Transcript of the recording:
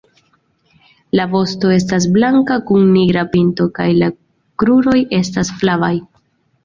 La vosto estas blanka kun nigra pinto kaj la kruroj estas flavaj.